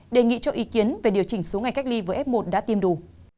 đề nghị cho ý kiến về điều chỉnh số ngày cách ly với f một đã tiêm đủ